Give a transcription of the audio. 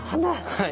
はい。